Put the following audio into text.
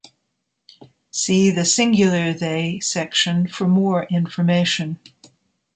See the singular they section for more information.